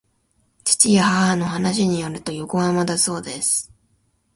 父や母の話によると横浜だそうです